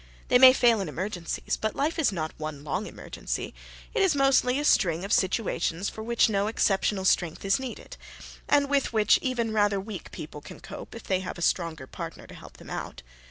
They may fail in emergencies; but life is not one long emergency: it is mostly a string of situations for which no exceptional strength is needed, and with which even rather weak people can cope if they have a stronger partner to help them out.